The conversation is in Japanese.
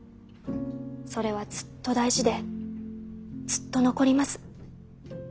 それはずっと大事でずっと残ります。